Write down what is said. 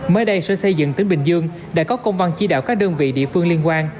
mới đây sở xây dựng tỉnh bình dương đã có công văn chỉ đạo các đơn vị địa phương liên quan